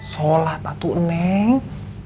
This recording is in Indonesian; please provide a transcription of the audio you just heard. sholat tuh neng